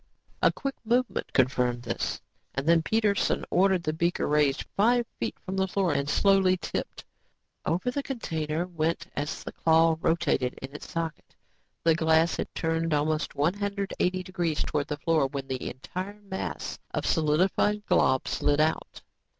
A quick movement confirmed this and then Peterson ordered the beaker raised five feet from the floor and slowly tipped. Over the container went as the claw rotated in its socket. The glass had turned almost 180° towards the floor when the entire mass of solidified glob slid out.